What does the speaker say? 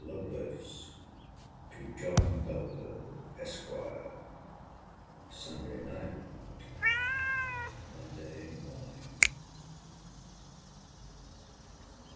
LOVELACE, TO JOHN BELFORD, ESQ. SUNDAY NIGHT—MONDAY MORNING.